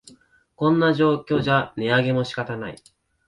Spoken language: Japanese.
こんな状況じゃ値上げも仕方ない